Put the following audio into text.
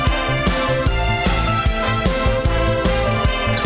แอร์โหลดแล้วคุณล่ะโหลดแล้ว